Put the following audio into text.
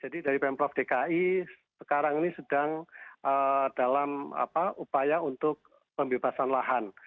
jadi dari pemprov dki sekarang ini sedang dalam upaya untuk pembebasan lahan